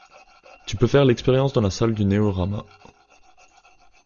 Tu peux faire l'expérience dans la salle du Néorama.